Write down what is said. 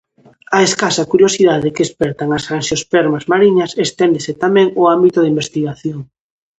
A escasa curiosidade que espertan as anxiospermas mariñas esténdese tamén ao ámbito da investigación.